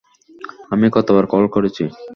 আমি কতবার কল করেছি?